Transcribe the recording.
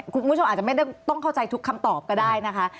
คุณผู้ชมอาจจะไม่ต้องเข้าใจทุกคำตอบก็ได้นะคะ